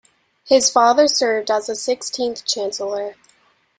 His father served as the sixteenth Chancellor.